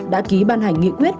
đã ký ban hành nghị quyết